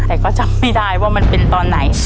แต่ก็จำไม่ได้ว่ามันเป็นตอนไหน